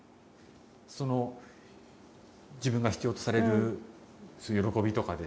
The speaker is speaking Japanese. その自分が必要とされる喜びとかですね